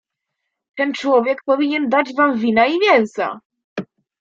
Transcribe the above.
"Ten człowiek powinien dać wam wina i mięsa."